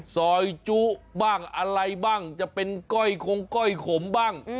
ซอยจุบ้างอะไรบ้างจะเป็นก้อยคงก้อยขมบ้าง